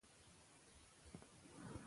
سرښندنه یې وستایه.